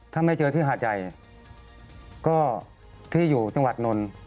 ถ้าไม่เจอที่หาดใหญ่ก็ที่อยู่จังหวัดนนท์